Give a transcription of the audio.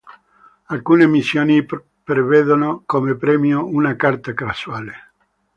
Alcune missioni prevedono come premio una carta casuale.